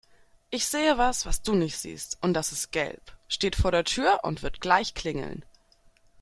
Ich sehe was, was du nicht siehst und das ist gelb, steht vor der Tür und wird gleich klingeln.